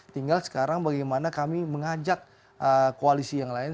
tinggal sekarang bagaimana kami mengajak koalisi yang lain